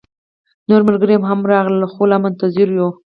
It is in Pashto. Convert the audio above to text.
نور ملګري هم راغلل، خو لا هم منتظر يو